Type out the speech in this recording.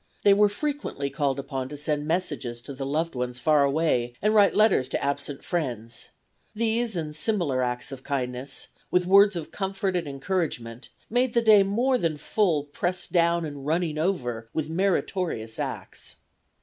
They were frequently called upon to send messages to the loved ones far away, and write letters to absent friends. These and similar acts of kindness, with words of comfort and encouragement, made the day more than full "pressed down and running over" with meritorious acts.